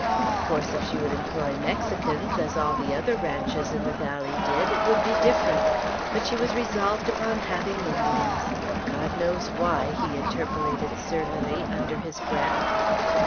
Of course, if she would employ Mexicans, as all the other ranches in the valley did, it would be different; but she was resolved upon having Indians, "God knows why," he interpolated surlily, under his breath.